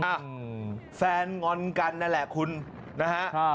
อ่ะแฟนงอนกันนั่นแหละคุณนะฮะ